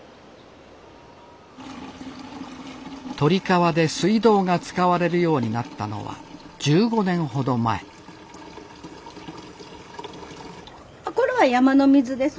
鳥川で水道が使われるようになったのは１５年ほど前これは山の水です。